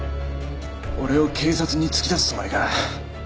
俺を警察に突き出すつもりか？